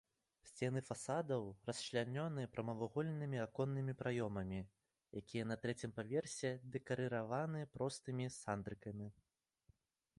Сцены фасадаў расчлянёны прамавугольнымі аконнымі праёмамі, якія на трэцім паверсе дэкарыраваны простымі сандрыкамі.